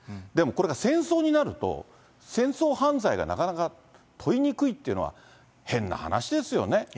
でも、これが戦争になると、戦争犯罪がなかなか問いにくいというのは、変な話ですよね。